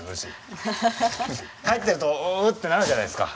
入ってるとウウッてなるじゃないですか。